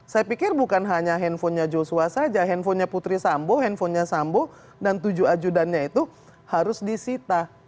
saya pikir bukan hanya handphonenya joshua saja handphonenya putri sambo handphonenya sambo dan tujuh ajudannya itu harus disita